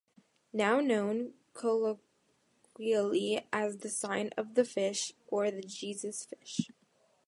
Now known colloquially as the "sign of the fish" or the "Jesus fish".